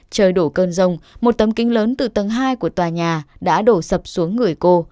trời đổ cơn rông một tấm kính lớn từ tầng hai của tòa nhà đã đổ sập xuống người cô